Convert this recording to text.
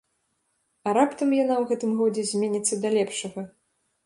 А раптам яна ў гэтым годзе зменіцца да лепшага?